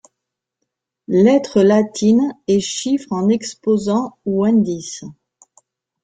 Lettres latines et chiffres en exposant ou indices.